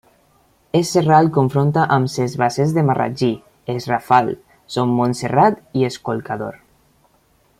Es Serral confronta amb ses Basses de Marratxí, es Rafal, Son Montserrat i es Colcador.